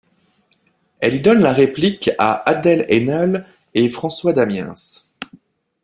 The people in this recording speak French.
Elle y donne la réplique à Adèle Haenel et François Damiens.